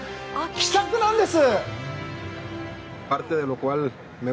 気さくなんです！